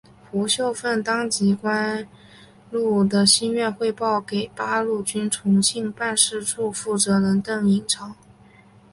胡绣凤当即将关露的心愿汇报给八路军重庆办事处负责人邓颖超。